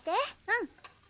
うん。